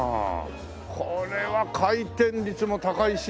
これは回転率も高いし。